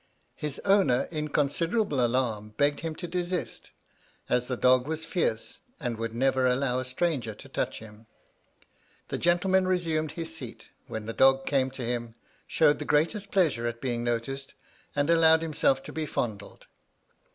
His owner, in considerable alarm, begged him to desist, as the dog was fierce, and would never allow a stranger to touch him. The gentleman resumed his seat, when the dog came to him, showed the greatest pleasure at being noticed, and allowed himself to be fondled.